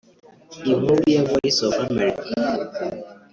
Inkuru ya Voice of America